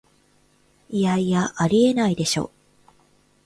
いやいや、ありえないでしょ